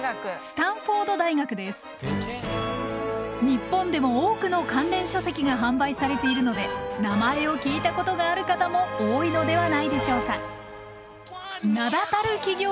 日本でも多くの関連書籍が販売されているので名前を聞いたことがある方も多いのではないでしょうか。